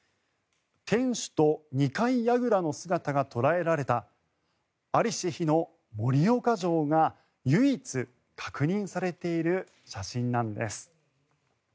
天守と二階やぐらの姿が捉えられた在りし日の盛岡城が唯一確認されている写真なんです。